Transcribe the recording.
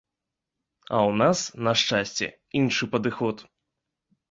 А ў нас, на шчасце, іншы падыход.